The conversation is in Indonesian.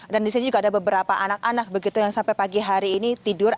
dan di sini juga ada beberapa anak anak begitu yang sampai pagi hari ini tidur